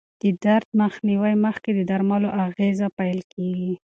د درد مخنیوي مخکې د درملو اغېزه پېل کېږي.